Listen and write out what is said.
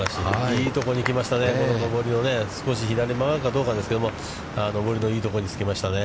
いいところに来ましたね、この上りの少し左曲がるかどうかですけど、いいところにつけましたね。